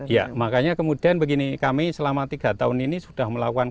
ya makanya kemudian begini kami selama tiga tahun ini sudah melakukan